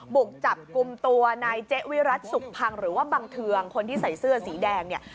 บุกจับกลุ่มตัวนายเจ๊วิรัติสุขพังหรือว่าบังเทืองคนที่ใส่เสื้อสีแดงเนี่ย